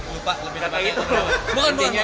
lupa lebih ke mana